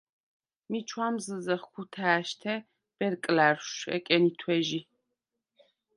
მი ჩუ̂ამზჷზეხ ქუთა̄̈შთე ბერკლა̈რშუ̂ ეკენითუ̂ეჟი.